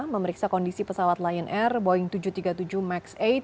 memeriksa kondisi pesawat lion air boeing tujuh ratus tiga puluh tujuh max delapan